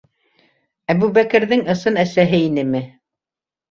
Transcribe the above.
Әбүбәкерҙең ысын әсәһе инеме?